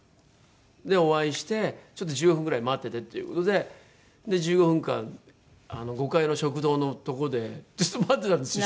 お会いしてちょっと１５分ぐらい待っててっていう事で１５分間５階の食堂のとこでずっと待ってたんですよ